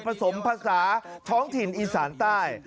สมภาษาท้องถิ่นอีสานใต้